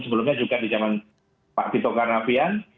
sebelumnya juga di zaman pak tito karnavian